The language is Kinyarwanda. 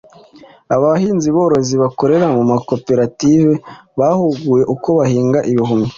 Aba bahinzi borozi bakorera mu makoprerative bahuguwe uko bahinga ibihumyo